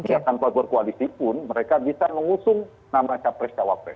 ya tanpa berkoalisi pun mereka bisa mengusung nama capres cawapres